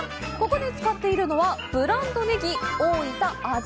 ここで使っているのはブランドねぎ大分味